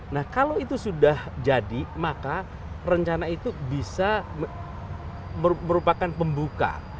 nah kalau itu sudah jadi maka rencana itu bisa merupakan pembuka